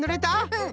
うん。